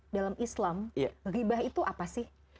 dalam islam gibah itu apa sih